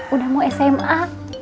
udah mau sma